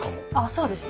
そうですね。